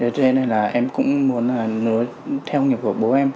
cho nên là em cũng muốn nối theo nhiệm vụ của bố em